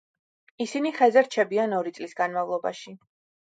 ისინი ხეზე რჩებიან ორი წლის განმავლობაში.